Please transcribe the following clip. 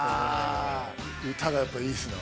歌がやっぱいいっすね。